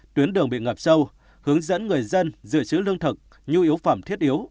tuyến đường bị ngập sâu hướng dẫn người dân giữ chữ lương thực nhu yếu phẩm thiết yếu